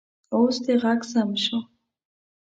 اوس دې غږ سم شو